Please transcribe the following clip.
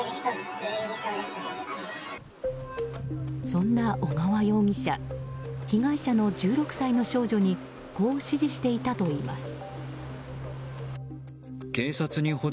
そんな小川容疑者被害者の１６歳の少女にこう指示していたといいます。